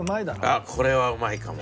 あっこれはうまいかも。